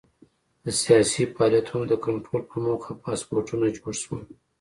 د سیاسي فعالیتونو د کنټرول په موخه پاسپورټونه جوړ شول.